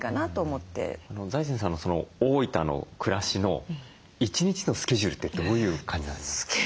財前さんのその大分の暮らしの一日のスケジュールってどういう感じですか？